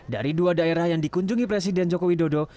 dari dua daerah yang dikunjungi presiden joko widodo